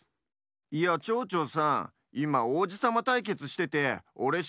いやちょうちょうさんいまおうじさまたいけつしててオレし